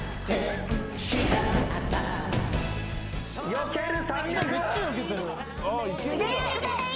よける。